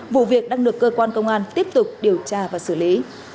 vụ việc đang được cơ quan công an tiếp tục điều tra và xử lý